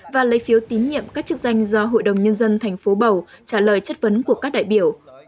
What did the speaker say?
và lấy phiếu tín nhiệm các chức danh do hội đồng nhân dân tp hcm trả lời chất vấn của các đại biểu